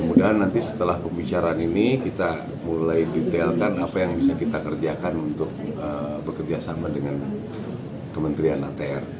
mudah mudahan nanti setelah pembicaraan ini kita mulai detailkan apa yang bisa kita kerjakan untuk bekerjasama dengan kementerian atr